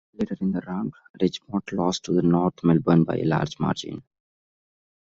Later in the round, Richmond lost to the North Melbourne by a large margin.